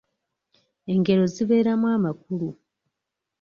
Engero zibeeramu amakulu.